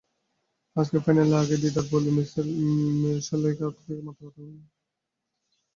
আজকের ফাইনালের আগে দিদার বলী মিরসরাইয়ের লিয়াকতকে মাত্র আধা মিনিটের মধ্যে হারান।